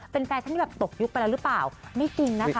เป็นแฟชั่นที่แบบตกยุคไปแล้วหรือเปล่าไม่จริงนะคะ